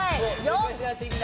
よし！